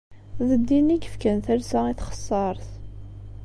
D ddin i yefkan talsa i txeṣṣaṛt!